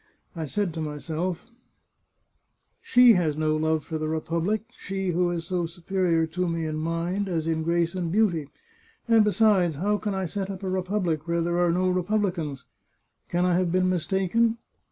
I said to myself :' She has no love for the republic — she, who is so superior to me in mind, as in grace and beauty.' And besides, how can I set up a republic where there are no republicans? Can I have been mistaken?